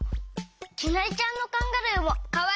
きなりちゃんのカンガルーもかわいいね！